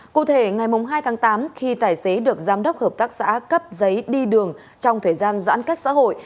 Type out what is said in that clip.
cụ thể ngày hai tháng tám khi tài xế được giám đốc hợp tác xã cấp giấy đi đường trong thời gian giãn cách xã hội